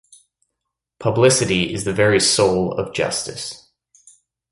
Publicity is the very soul of justice.